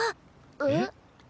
えっ？